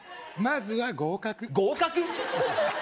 まずは合格合格！？